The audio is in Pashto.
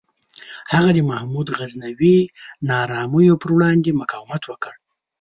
هغه د محمود غزنوي نارامیو پر وړاندې مقاومت وکړ.